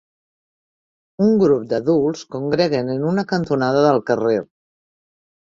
Un grup d'adults congreguen en una cantonada del carrer.